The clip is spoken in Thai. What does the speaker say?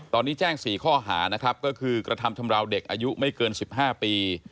ตอนนี้แจ้ง๔ข้อหานะครับก็คือกระทำชำราวเด็กอายุไม่เกิน๑๕ปี